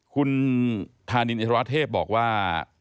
คุณธานินอิทราเทพบอกว่า